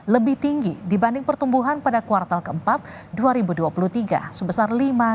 lebih tinggi dibanding pertumbuhan pada kuartal keempat dua ribu dua puluh tiga sebesar lima dua